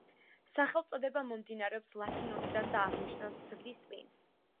სახელწოდება მომდინარეობს ლათინურიდან და აღნიშნავს ძვლის ტვინს.